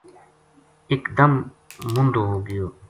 اک دم مُوندو ہو گیو